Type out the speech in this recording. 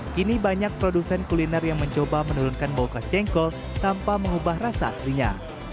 kini banyak produsen kuliner yang mencoba menurunkan bau khas jengkol tanpa mengubah rasa aslinya